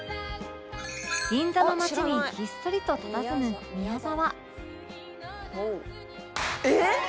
銀座の街にひっそりとたたずむみやざわえっ！？